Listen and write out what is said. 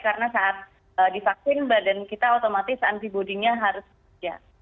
karena saat divaksin badan kita otomatis anti body nya harus kerja